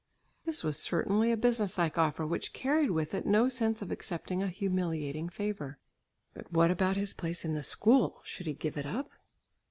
This was certainly a business like offer which carried with it no sense of accepting a humiliating favour. But what about his place in the school? Should he give it up?